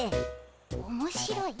おもしろい？